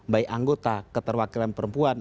baik anggota keterwakilan perempuan